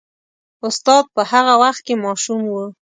استاد په هغه وخت کې ماشوم و.